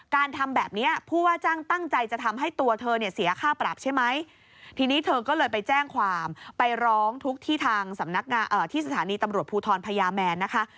การทำแบบนี้ผู้ว่าจ้างตั้งใจจะทำให้ตัวเธอเนี่ยเสียค่าปรับใช่ไหมทีนี้เธอก็เลยไปแจ้งความไปร้องทุกข์ที่ทางที่สถานีตำรวจภูทรพญาแมนนะคะ